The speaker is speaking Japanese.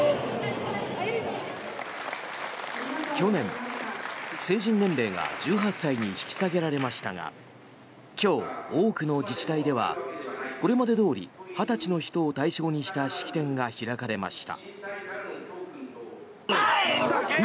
去年、成人年齢が１８歳に引き下げられましたが今日、多くの自治体ではこれまでどおり２０歳の人を対象にした式典が開かれました。